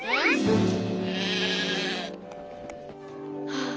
はあ